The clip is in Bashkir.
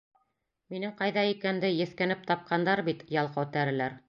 Минең ҡайҙа икәнде еҫкәнеп тапҡандар бит, ялҡау тәреләр.